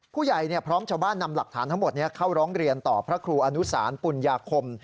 ผู้ใหญ่พร้อมชาวบ้านนำหลักฐานทั้งหมดเข้าร้องเรียนต่อพระครูอนุสารปุญญาคม